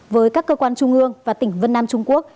với các cơ quan trung ương và tỉnh vân nam trung quốc